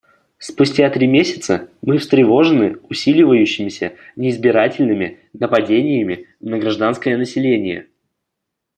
Спустя три месяца мы встревожены усиливающимися неизбирательными нападениями на гражданское население.